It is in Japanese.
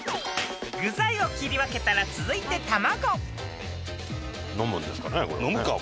［具材を切り分けたら続いて卵］